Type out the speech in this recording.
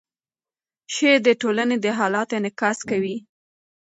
شعر د ټولنې د حالاتو انعکاس کوي.